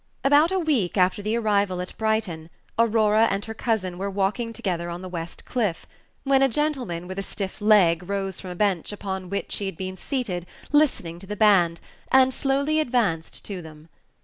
About a week after the arrival at Brighton, Aurora and her cousin were walking together on the West Cliff, when a gentleman with a stiff leg rose from a bench upon which he had been seated listening to the band, and slowly advanced to them.